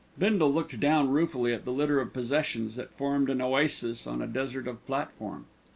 Bindle looked down ruefully at the litter of possessions that formed an oasis on a desert of platform.